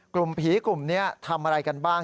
กลุ่มผีกลุ่มนี้ทำอะไรกันบ้าง